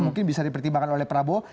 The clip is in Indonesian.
mungkin bisa dipertimbangkan oleh prabowo